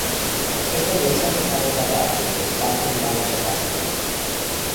Esta iglesia fue cabeza de arciprestazgo en varias ocasiones.